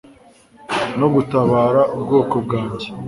no gutabara ubwoko bwanjye